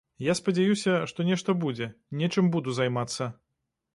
Я спадзяюся, што нешта будзе, нечым буду займацца.